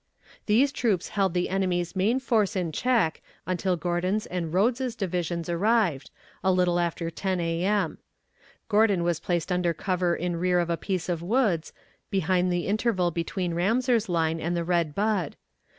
These troops held the enemy's main force in check until Gordon's and Rodes's divisions arrived, a little after 10 A.M. Gordon was placed under cover in rear of a piece of woods, behind the interval between Ramseur's line and the Red Bud.